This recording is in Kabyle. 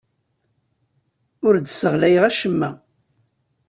Ur d-sseɣlayeɣ acemma.